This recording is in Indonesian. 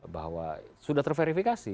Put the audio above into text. bahwa sudah terverifikasi